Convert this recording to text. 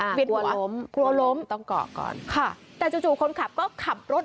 หัวล้มกลัวล้มต้องเกาะก่อนค่ะแต่จู่จู่คนขับก็ขับรถ